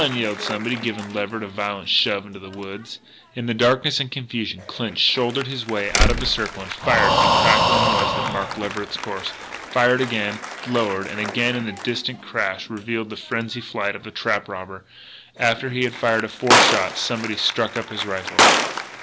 yelled somebody, giving Leverett a violent shove into the woods. In the darkness and confusion, Clinch shouldered his way out of the circle and fired at the crackling noise that marked Leverett's course, fired again, lower, and again as a distant crash revealed the frenzied flight of the trap robber. After he had fired a fourth shot, somebody struck up his rifle.